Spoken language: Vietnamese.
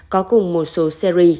có cùng một số series